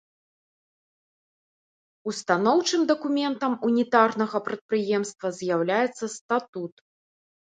Устаноўчым дакументам ўнітарнага прадпрыемства з'яўляецца статут.